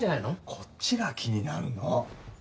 こっちが気になるの！